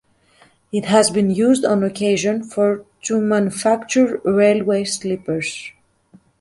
It has been used on occasion for to manufacture railway sleepers.